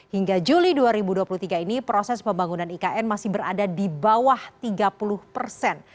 hingga juli dua ribu dua puluh tiga ini proses pembangunan ikn masih berada di bawah tiga puluh persen